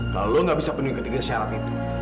kalau lo gak bisa penuhi ketiga syarat itu